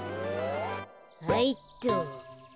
はいっと。